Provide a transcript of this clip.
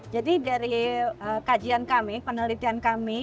jadi dari kajian kami penelitian kami